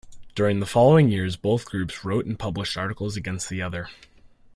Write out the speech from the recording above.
During the following years both groups wrote and published articles against the other.